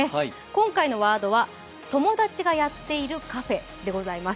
今回のワードは友達がやってるカフェでございます。